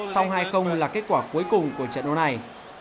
song hai là kết quả cuối cùng của trận đấu này